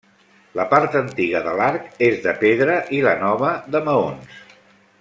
La part antiga de l'arc és de pedra, i la nova de maons.